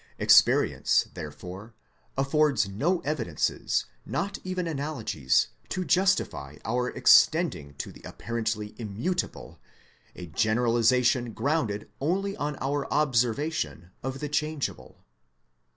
Experience therefore, affords no evidences, not even analogies, to justify our extending to the apparently immutable, a generalization grounded only on our observation of the changeable.